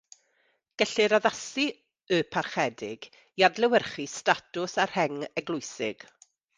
Gellir addasu "Y Parchedig" i adlewyrchu statws a rheng eglwysig.